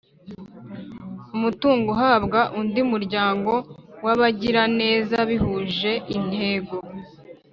Umutungo uhabwa undi muryango w’abagiraneza bihuje intego